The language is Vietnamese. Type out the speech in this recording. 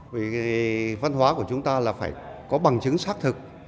vì văn hóa của chúng ta là phải có bằng chứng xác thực